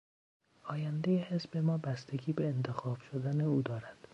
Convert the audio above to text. آیندهی حزب ما بستگی به انتخاب شدن او دارد.